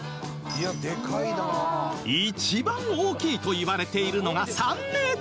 一番大きいといわれているのが３メートル以上！